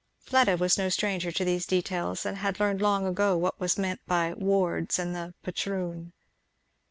Fleda was no stranger to these details and had learned long ago what was meant by 'wards' and 'the patroon.'